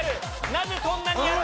なぜそんなにやる？